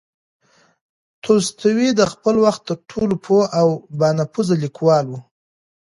تولستوی د خپل وخت تر ټولو پوه او با نفوذه لیکوال و.